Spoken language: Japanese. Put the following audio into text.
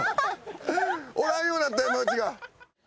おらんようになった山内が。